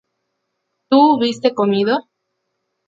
¿tú hubiste comido?